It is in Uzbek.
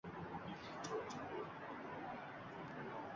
nalugchidan baloga qolib yurgan hunarmand bugun kattakon sex ochsa-yu